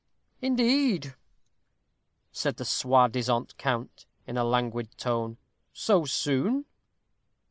"Indeed!" said the soi disant count, in a languid tone "so soon?"